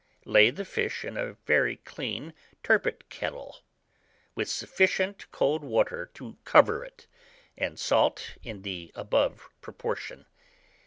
Lay the fish in a very clean turbot kettle, with sufficient cold water to cover it, and salt in the above proportion.